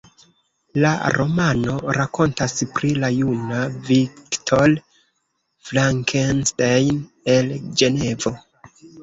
La romano rakontas pri la juna Victor Frankenstein el Ĝenevo.